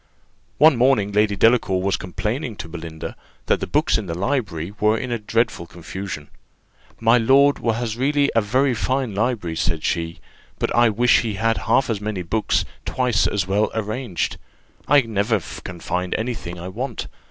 One morning Lady Delacour was complaining to Belinda, that the books in the library were in dreadful confusion. "My lord has really a very fine library," said she; "but I wish he had half as many books twice as well arranged: I never can find any thing I want.